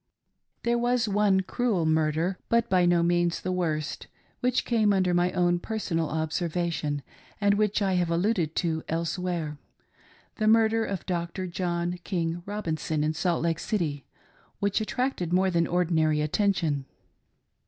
There was one cruel murder — but by no means the worst — which came under my own personal observation, and which I have alluded to elsewhere — the murder of Dr. John King Rob inson in Salt Lake City — which attracted more than ordinary attention.